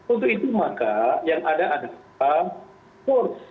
untuk itu maka yang ada adalah force